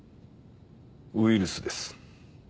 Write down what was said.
ウイルスです。